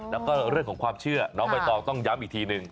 แล้วก็เรื่องของความเชื่อน้องใบตองต้องย้ำอีกทีนึง